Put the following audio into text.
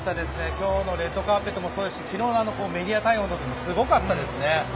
今日のレッドカーペットもそうですし昨日のメディア対応の時もすごかったですね。